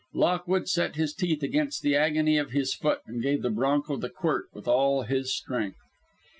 Lockwood set his teeth against the agony of his foot and gave the bronco the quirt with all his strength.